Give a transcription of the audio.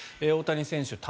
大谷選手